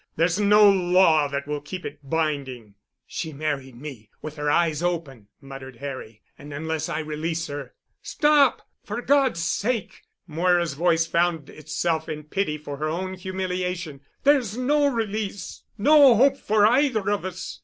There's no law that will keep it binding——" "She married me—with her eyes open," muttered Harry. "And unless I release her——" "Stop! For God's sake," Moira's voice found itself in pity for her own humiliation. "There's no release—no hope for either of us.